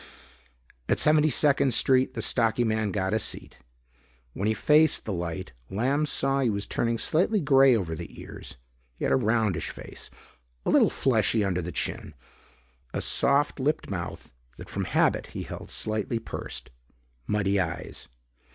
At Seventy second Street, the stocky man got a seat. When he faced the light, Lamb saw that he was turning slightly gray over the ears. He had a roundish face, a little fleshy under the chin, a soft lipped mouth that from habit he held slightly pursed, muddy eyes.